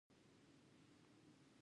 د کوکنارو بدیل معیشت څه دی؟